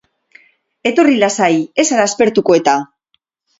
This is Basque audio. Etorri lasai, ez zara aspertuko eta!